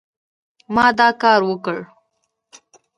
ما دا کار وکړ